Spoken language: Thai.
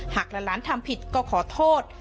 หากหลานทำผิดก็ขอโทษ